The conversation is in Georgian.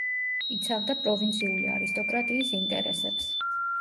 იცავდა პროვინციული არისტოკრატიის ინტერესებს.